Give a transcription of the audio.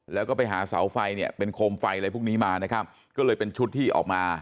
แล้วก็ไปหาเสาไฟเนี่ยเป็นโคมไฟอะไรพวกนี้มานะครับก็เลยเป็นชุดที่ออกมา